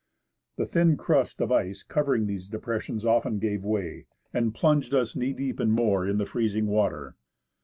The thin crust of ice covering these depressions often gave way, and plunged us knee deep and more in the freezing water.